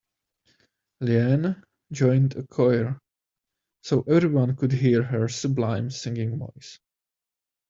Leanne joined a choir so everyone could hear her sublime singing voice.